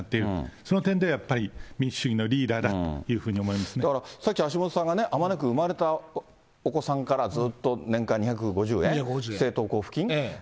その点では、やっぱり民主主義のリーダーだというふうに思いますだから、さっき橋下さんが、あまねく生まれたお子さんからずっと年間２５０円、政党交付金？